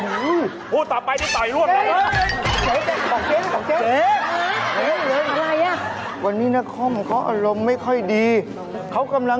พูดต่อไปได้ต่อให้ร่วมแล้ว